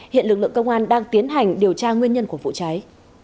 hiện lực lượng công an đang tiến hành điều tra nguyên nhân của vụ cháy